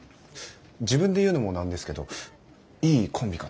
自分で言うのも何ですけどいいコンビかと。